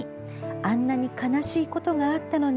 「あんなにかなしいことがあったのに」